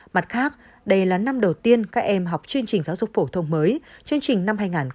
mặt khác đây là năm đầu tiên các em học chương trình giáo dục phổ thông mới chương trình năm hai nghìn hai mươi